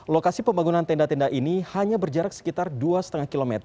lokasi pembangunan tenda tenda ini hanya berjarak sekitar dua lima km